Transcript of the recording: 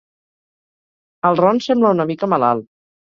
El Ron sembla una mica malalt.